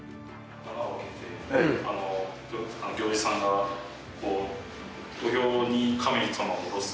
穴を開けて行司さんが土俵に神様を降ろす